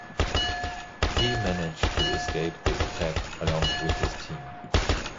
He manage to escape the attack along with his team.